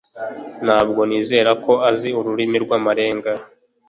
Ntabwo nizera ko azi ururimi rw'amarenga